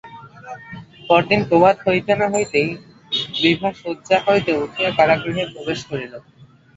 পরদিন প্রভাত হইতে না হইতেই বিভা শয্যা হইতে উঠিয়া কারাগৃহে প্রবেশ করিল।